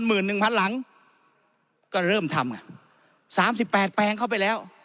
หนึ่งพันหลังก็เริ่มทำไงสามสิบแปดแปลงเข้าไปแล้ว